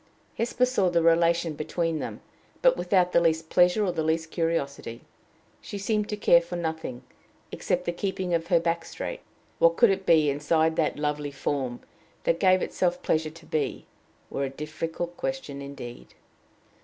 Hesper saw the relation between them, but without the least pleasure or the least curiosity. She seemed to care for nothing except the keeping of her back straight. What could it be, inside that lovely form, that gave itself pleasure to be, were a difficult question indeed.